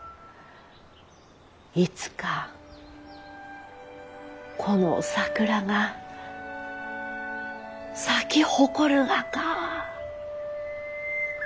いつかこの桜が咲き誇るがか。